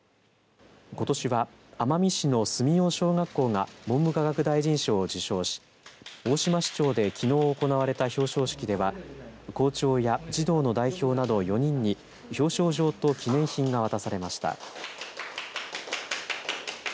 ことしは奄美市の住用小学校が文部科学大臣賞を受賞し大島支庁で、きのう行われた表彰式では校長や児童の代表など４人に表彰状と記念品が渡されました。